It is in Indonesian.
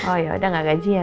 oh ya udah gak gaji ya